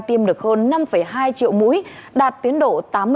tiêm được hơn năm hai triệu mũi đạt tiến độ tám mươi chín bốn